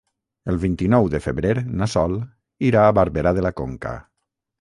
El vint-i-nou de febrer na Sol irà a Barberà de la Conca.